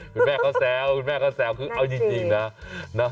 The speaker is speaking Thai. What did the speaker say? คุณแม่เขาแซวคุณแม่ก็แซวคือเอาจริงนะ